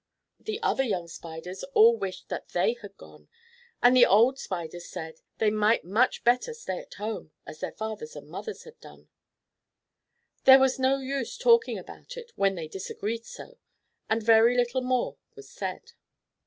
The other young Spiders all wished that they had gone, and the old Spiders said, "They might much better stay at home, as their fathers and mothers had done." There was no use talking about it when they disagreed so, and very little more was said.